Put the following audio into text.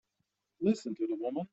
Listen to the woman!